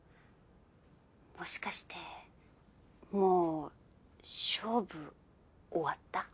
もしかしてもう勝負終わった？